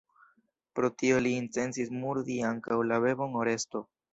Pro tio li intencis murdi ankaŭ la bebon Oresto.